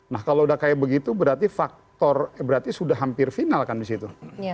nah kalau udah kayak begitu berarti faktor berarti sudah hampir final kan di situ